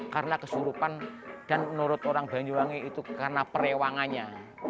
karena kesurupan dan menurut orang banyuwangi itu karena perewangannya